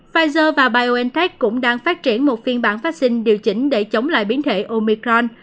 pfizer và biontech cũng đang phát triển một phiên bản vaccine điều chỉnh để chống lại biến thể omicron